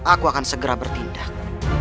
aku akan segera bertindak